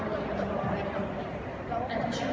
มันเป็นสิ่งที่จะให้ทุกคนรู้สึกว่า